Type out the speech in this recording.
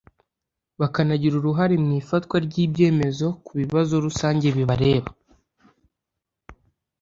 bakanagira uruhare mu ifatwa ry'ibyemezo ku bibazo rusange bibareba.